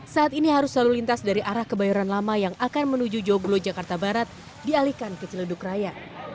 saat ini arus lalu lintas dari arah kebayoran lama yang akan menuju joglo jakarta barat dialihkan ke ciledug raya